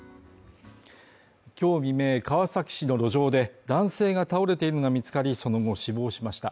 今日未明川崎市の路上で男性が倒れているのが見つかりその後死亡しました。